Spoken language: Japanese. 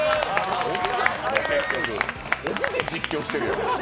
帯で実況してるよ。